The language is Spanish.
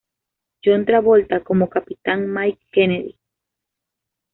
John Travolta como Capitán Mike Kennedy.